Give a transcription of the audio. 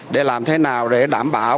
để làm thế nào để đảm bảo